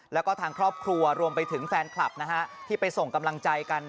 แล้วก็ทางครอบครัวรวมไปถึงแฟนคลับนะฮะที่ไปส่งกำลังใจกัน